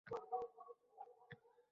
Hayajonga doʼnar xumorlik.